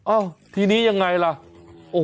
โอ้ยคนที่รู้จักกว่านั้นมีคลุก